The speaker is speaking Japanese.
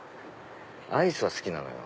アイスは好きなのよ。